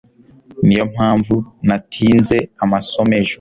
niyo mpamvu natinze amasomo ejo